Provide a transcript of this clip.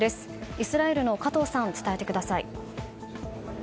イスラエルの加藤さん伝えてください。